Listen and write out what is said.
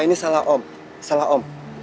ini salah om salah om